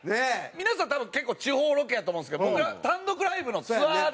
皆さん多分結構地方ロケやと思うんですけど僕は単独ライブのツアーで。